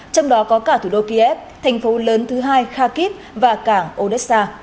trong đó có cả thủ đô kiev thành phố lớn thứ hai khakip và cảng odessa